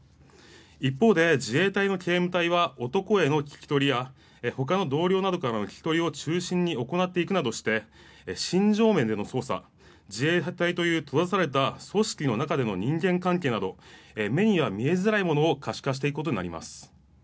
一方で自衛隊の警務隊は男への聞き取りや他の同僚などからの聞き取りを中心に行っていくなどして心情面での捜査自衛隊という閉ざされた組織の中での人間関係など目には見えづらいものを可視化していくことになります。